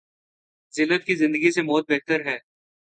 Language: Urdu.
زلت کی زندگی سے موت بہتر ہے۔